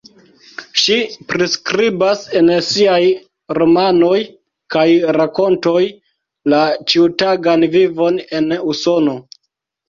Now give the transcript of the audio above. Ŝi priskribas en siaj romanoj kaj rakontoj la ĉiutagan vivon en Usono.